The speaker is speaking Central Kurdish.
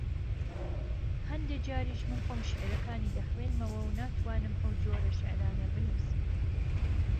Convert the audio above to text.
ھەندێ جاریش من خۆم شیعرەکانی دەخوێنمەوە و ناتوانم ئەو جۆرە شیعرانە بنووسم